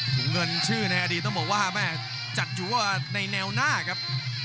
ถุงเงินชื่อในอดีตต้องบอกว่าแม่จัดอยู่ว่าในแนวหน้าครับ